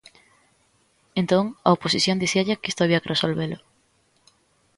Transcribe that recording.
Entón, a oposición dicíalle que isto había que resolvelo.